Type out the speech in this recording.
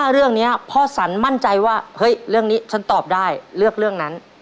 เรื่องนี้พ่อสันมั่นใจว่าเฮ้ยเรื่องนี้ฉันตอบได้เลือกเรื่องนั้น